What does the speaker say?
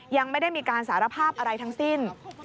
ยังไม่ได้มีการสารภาพอะไรทั้งสิ้น